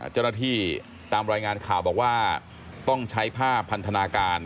เจ้าหน้าที่ตามรายงานข่าวบอกว่าต้องใช้ผ้าพันธนาการ